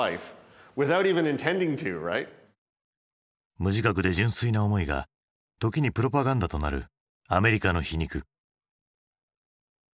無自覚で純粋な思いが時にプロパガンダとなるアメリカの皮肉。